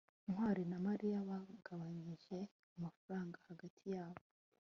ntwali na mariya bagabanije amafaranga hagati yabo